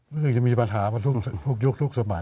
ก็คือจะมีปัญหามาทุกยุคทุกสมัยอ่ะ